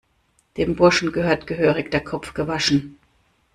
Dem Burschen gehört gehörig der Kopf gewaschen!